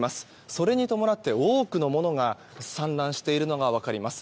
それに伴って、多くのものが散乱しているのが分かります。